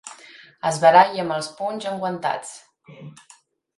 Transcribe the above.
Es baralli amb els punys enguantats.